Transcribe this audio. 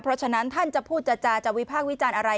เพราะฉะนั้นท่านจะพูดจาจะวิพากษ์วิจารณ์อะไร